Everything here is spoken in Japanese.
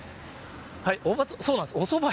そうなんですね。